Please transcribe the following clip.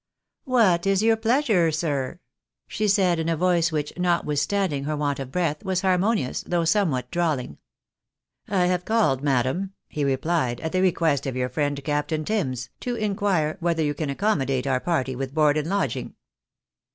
" What is your pleasure, sir ?" said she, in a voice which, not withstanding her want of breath, was harmonious, though some what drawling. " I have called, madam," he replied, " at the request of our friend Captain Tims, to inquire whether you can accomodate our party with board and lodging."